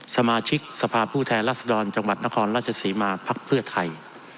สมาชิกสภาพผู้แทนรัศดรจังหวัดนครราชศรีมาภักดิ์เพื่อไทย